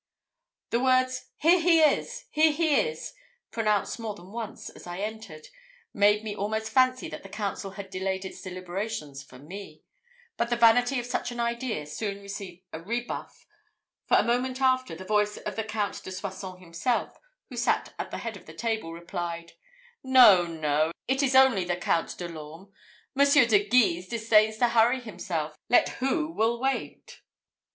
The words "Here he is, here he is!" pronounced more than once, as I entered, made me almost fancy that the council had delayed its deliberations for me; but the vanity of such an idea soon received a rebuff, for a moment after, the voice of the Count de Soissons himself, who sat at the head of the table, replied, "No, no, it is only the Count de l'Orme. Monsieur de Guise disdains to hurry himself, let who will wait."